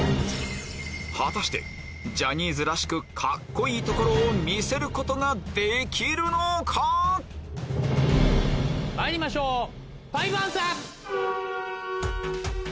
果たしてジャニーズらしくカッコいいところを見せることができるのか⁉まいりましょう。